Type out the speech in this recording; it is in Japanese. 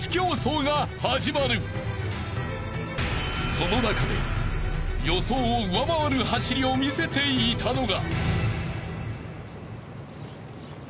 ［その中で予想を上回る走りを見せていたのが］